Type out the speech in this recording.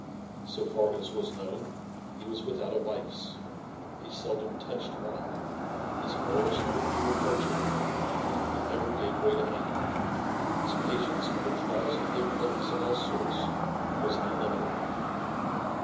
So far as was known he was without a vice. He seldom touched wine. His morals were irreproachable. He never gave way to anger. His patience under trials and difficulties of all sorts was illimitable.